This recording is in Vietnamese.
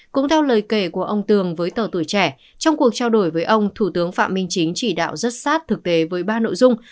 cũng theo lời kể của ông tường với tờ tuổi trẻ trong cuộc trao đổi với ông thủ tướng phạm minh chính chỉ đạo rất sát thực tế với ba nội dung